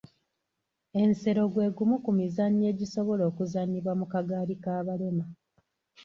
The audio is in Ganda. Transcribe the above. Ensero gw'egumu ku mizannyo egisobola okuzannyibwa mu kagaali k'abalema.